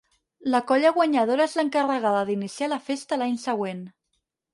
La colla guanyadora és l'encarregada d'iniciar la festa l'any següent.